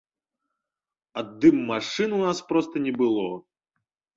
А дым-машын у нас проста не было.